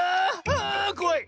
あこわい！